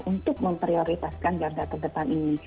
untuk memprioritaskan garda terdepan ini